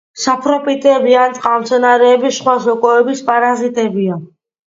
საპროფიტები ან წყალმცენარეების, სხვა სოკოების პარაზიტებია.